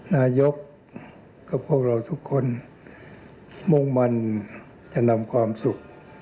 นายกกับพวกเราทุกคนมุ่งมันจะนำความสุข